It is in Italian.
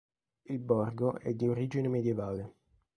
Il borgo è di origine medievale.